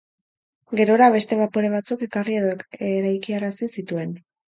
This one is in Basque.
Gerora, beste bapore batzuk ekarri edo eraikiarazi zituen.